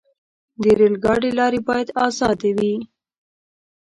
د ریل ګاډي لارې باید آزادې وي.